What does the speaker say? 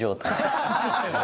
ハハハハ！